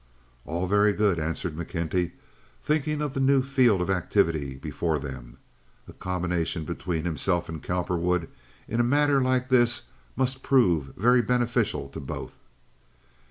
"All very good," answered McKenty, thinking of the new field of activity before them. A combination between himself and Cowperwood in a matter like this must prove very beneficial to both.